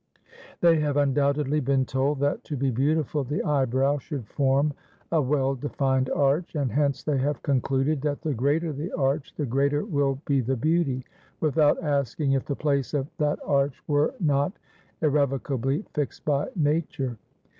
They have undoubtedly been told that, to be beautiful, the eyebrow should form a well defined arch, and hence they have concluded that the greater the arch the greater will be the beauty, without asking if the place of that arch were not irrevocably fixed by nature.